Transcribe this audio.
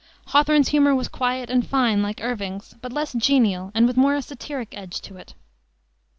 Hawthorne's humor was quiet and fine, like Irving's, but less genial and with a more satiric edge to it.